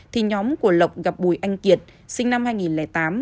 thì nhóm của lộc gặp bùi anh kiệt sinh năm hai nghìn tám